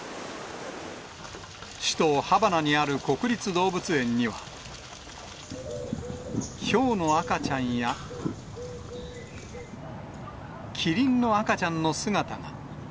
首都ハバナにある国立動物園には、ヒョウの赤ちゃんや、キリンの赤ちゃんの姿が。